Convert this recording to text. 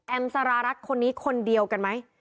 สารารัฐคนนี้คนเดียวกันไหม